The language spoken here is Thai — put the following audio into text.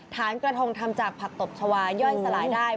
ฐานกระทงทำจากผักตบชาวาย่อยสลายได้